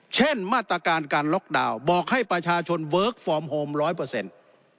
เช่นมาตรการการล็อกดาวน์บอกให้ประชาชนเวิร์คฟอร์มโฮมร้อยเปอร์เซ็นต์